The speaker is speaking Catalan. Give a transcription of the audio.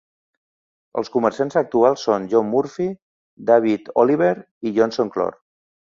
Els comerciants actuals són John Murphy, David Oliver i Johnson Clore.